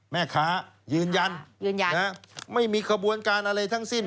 แม่ค้ายืนยันยืนยันไม่มีขบวนการอะไรทั้งสิ้น